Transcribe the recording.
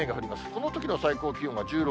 このときの最高気温は１６、７度。